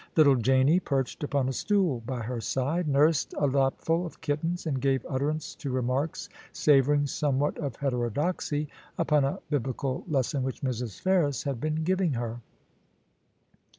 Little Janie, perched upon a stool by her side, nursed a lapful of kittens, and gave utterance to remarks savouring somewhat of heterodoxy upon a Biblical lesson which Mrs. Ferris had been giving her.